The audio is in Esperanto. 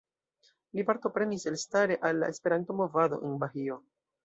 Li partoprenis elstare al la Esperanto-movado en Bahio.